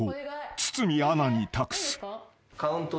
［堤アナに託す］